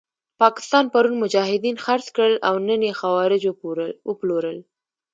پاکستان پرون مجاهدین خرڅ کړل او نن یې خوارج وپلورل.